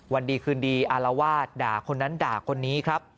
วันดีคืนดีอารวาสด่าคนนั้นด่าคนนี้ครับ